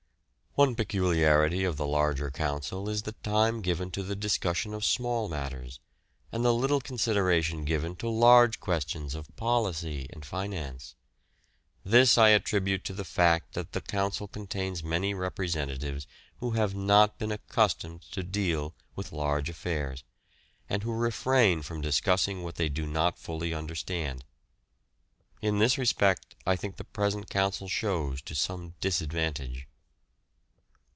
One peculiarity of the larger Council is the time given to the discussion of small matters, and the little consideration given to large questions of policy and finance. This I attribute to the fact that the Council contains many representatives who have not been accustomed to deal with large affairs, and who refrain from discussing what they do not fully understand. In this respect I think the present Council shows to some disadvantage.